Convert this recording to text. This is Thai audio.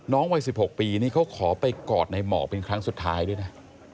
วัย๑๖ปีนี่เขาขอไปกอดในหมอกเป็นครั้งสุดท้ายด้วยนะ